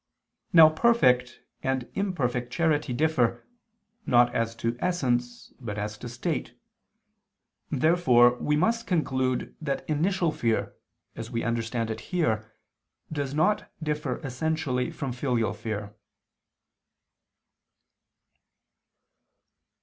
Now perfect and imperfect charity differ, not as to essence but as to state. Therefore we must conclude that initial fear, as we understand it here, does not differ essentially from filial fear.